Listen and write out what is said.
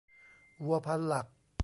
วัวพันหลัก